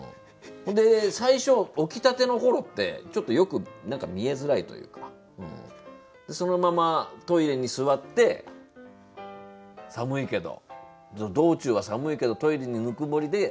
最初起きたての頃ってちょっとよく見えづらいというかそのままトイレに座って寒いけど道中は寒いけどトイレのぬくもりで。